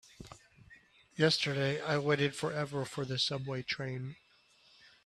Yesterday I waited forever for the subway train.